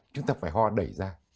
chúng ta phải ho đẩy ra